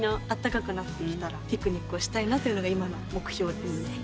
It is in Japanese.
あったかくなってきたらピクニックをしたいなというのが今の目標です。